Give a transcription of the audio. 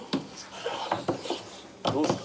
どうっすか？